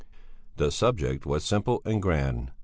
The subject was simple and grand.